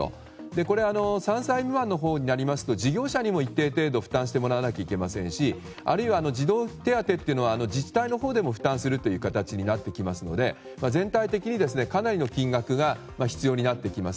これ、３歳未満になりますと事業者にも一定程度負担してもらわないといけませんしあるいは児童手当は自治体のほうでもふたんすることになりますので全体的にかなりの金額が必要になってきます。